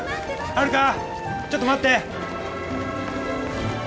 ハルカちょっと待って。